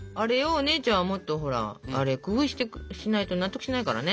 お姉ちゃんはもっとほら工夫しないと納得しないからね。